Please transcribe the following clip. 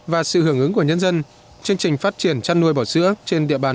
và sự hưởng ứng của nhân dân chương trình phát triển chăn nuôi bò sữa trên địa bàn